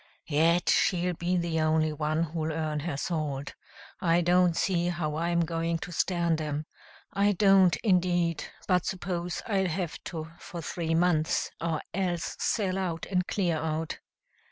"Yet, she'll be the only one who'll earn her salt. I don't see how I'm going to stand 'em I don't, indeed, but suppose I'll have to for three months, or else sell out and clear out."